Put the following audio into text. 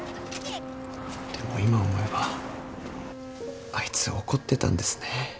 でも今思えばあいつ怒ってたんですね。